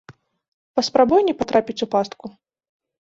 Паспрабуй не патрапіць у пастку.